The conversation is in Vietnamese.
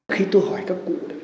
khi tôi hỏi các cụ